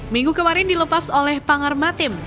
minggu kemarin dilepas oleh pangarmatim